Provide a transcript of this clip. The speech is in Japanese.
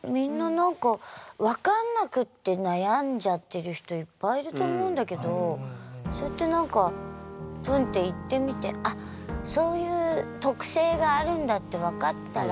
みんな何かいっぱいいると思うんだけどそうやって何かプンッて行ってみてあっそういう特性があるんだって分かったら。